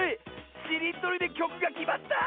しりとりできょくがきまった！